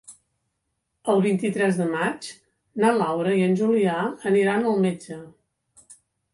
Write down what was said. El vint-i-tres de maig na Laura i en Julià aniran al metge.